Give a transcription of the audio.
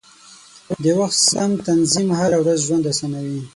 د وخت سم تنظیم هره ورځي ژوند اسانوي.